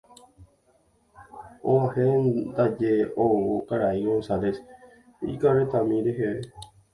Og̃uahẽndaje oúvo karai González ikarretami reheve.